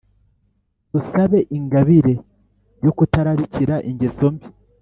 dusabe ingabire yo kutararikira ingeso mbi.